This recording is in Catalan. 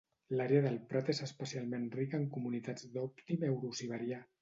L'àrea del prat és especialment rica en comunitats d'òptim eurosiberià.